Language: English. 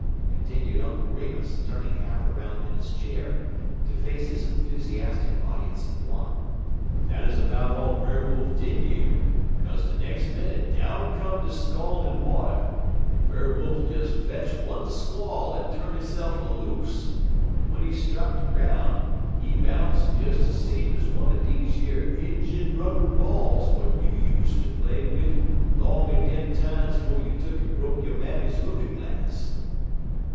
continued Uncle Remus, turning half around in his chair to face his enthusiastic audience of one, "dat 'uz 'bout all Brer Wolf did year, 'kaze de nex' minit down come de scaldin' water, en Brer Wolf des fetch one squall en turn't hisse'f aloose, en w'en he strak de groun' he bounce des same ez one er deze yer injun rubber balls w'at you use ter play wid 'long in dem times 'fo' you tuck'n broke yo' mammy lookin' glass.